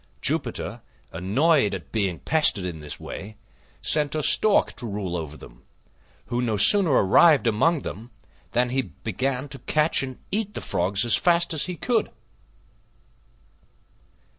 Jupiter, annoyed at being pestered in this way, sent a Stork to rule over them, who no sooner arrived among them than he began to catch and eat the Frogs as fast as he could.